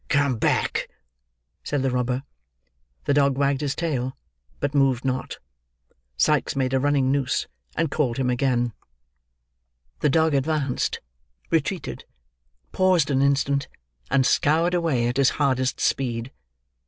"Come back!" said the robber. The dog wagged his tail, but moved not. Sikes made a running noose and called him again. The dog advanced, retreated, paused an instant, and scoured away at his hardest speed.